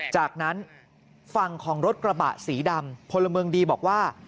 จากนั้นฝั่งของรถกระบะสีดำพลเมืองดีบอกว่า